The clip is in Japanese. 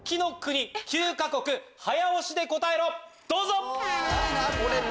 どうぞ！